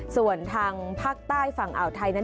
ส่วนทางภาคใต้ฝั่งอ่าวไทยนั้น